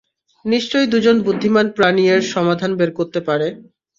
নিশ্চয়ই দুজন বুদ্ধিমান প্রাণী এর সমাধান বের করতে পারে!